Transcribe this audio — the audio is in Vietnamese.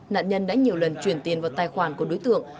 nạn nhân đã nhiều lần chuyển tiền vào tài khoản của đối tượng